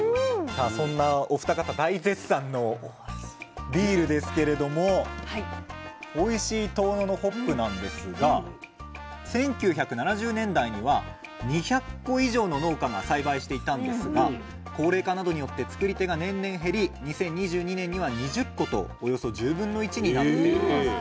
さあそんなお二方大絶賛のビールですけれどもおいしい遠野のホップなんですが１９７０年代には２００戸以上の農家が栽培していたんですが高齢化などによって作り手が年々減り２０２２年には２０戸とおよそ１０分の１になっています。